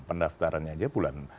pendaftarannya aja bulan